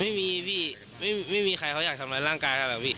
ไม่มีพี่ไม่มีใครของเขาเลยอยากทำไงการร่างกายขึ้นแล้ว